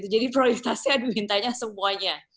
jadi prioritasnya diwintanya semuanya